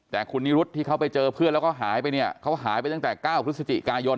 แต่คุณนิรุธที่เขาไปเจอเพื่อนแล้วก็หายไปเนี่ยเขาหายไปตั้งแต่๙พฤศจิกายน